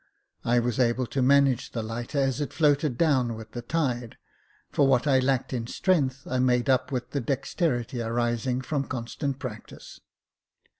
I was able to manage the lighter as it floated down with the tide ; for what I lacked in strength I made up with the dexterity arising from con stant practice.